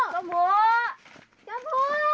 สมโพง